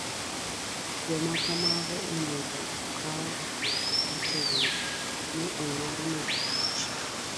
Joma kamago onego okaw okang ' motegno, mi ong'adnegi buch